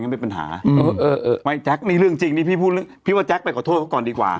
มีเรื่องจริงไปขอโทษก่อนดีกว่า